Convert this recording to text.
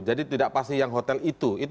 jadi tidak pasti yang hotel itu